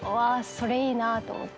それいいなと思って。